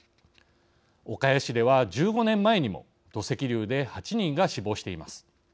岡谷市では１５年前にも土石流で８人が死亡しています。